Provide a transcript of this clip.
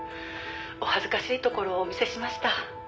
「お恥ずかしいところをお見せしました」